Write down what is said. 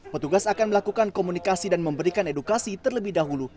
petugas akan melakukan komunikasi dan memberikan edukasi terlebih dahulu